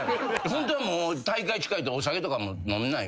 ホントは大会近いとお酒とかも飲めない。